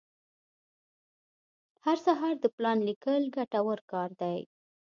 هر سهار د پلان لیکل ګټور کار دی.